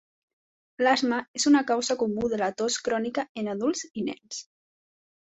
L'asma és una causa comú de la tos crònica en adults i nens.